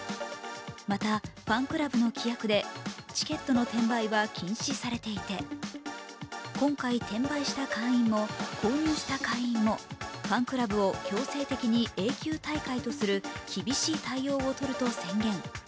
またファンクラブの規約でチケットの転売は禁止されていて、今回、転売した会員も購入した会員もファンクラブを強制的に永久退会とする厳しい対応をとると宣言。